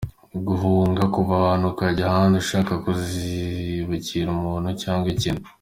Guhunga: Kuva ahantu ukajya ahandi ushaka kuzibukira umuntu cyangwa ikintu.